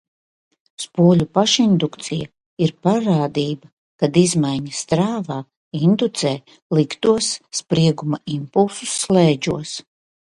Spoļu pašindukcija ir parādība, kad izmaiņas strāvā indūcē liktos sprieguma impulsus slēdžos.